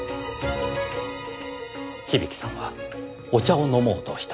響さんはお茶を飲もうとした。